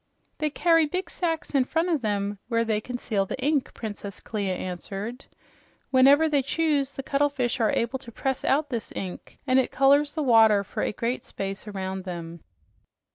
"They carry big sacks in front of them where they conceal the ink," Princess Clia answered. "Whenever they choose, the cuttlefish are able to press out this ink, and it colors the water for a great space around them."